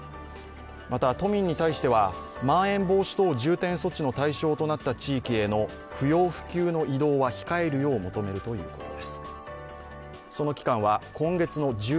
また、都民に対してはまん延防止等重点措置の対象となった地域への不要不急の移動は控えるよう求めるというこ